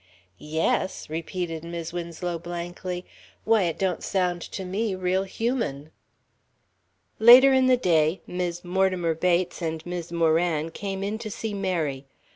"'Yes!'" repeated Mis' Winslow, blankly. "Why, it don't sound to me real human." Later in the day, Mis' Mortimer Bates and Mis' Moran came in to see Mary.